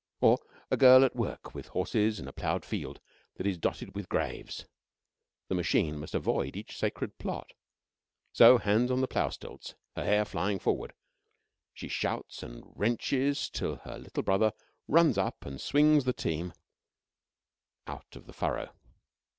Or a girl at work with horses in a ploughed field that is dotted with graves. The machine must avoid each sacred plot. So, hands on the plough stilts, her hair flying forward, she shouts and wrenches till her little brother runs up and swings the team out of the furrow.